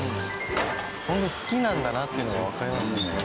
ホント好きなんだなっていうのがわかりますよね。